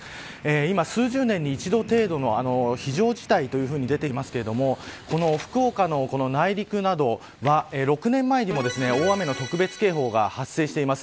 今、数十年に一度程度の非常事態というふうに出ていますが福岡の内陸などは６年前にも大雨の特別警報が発生しています。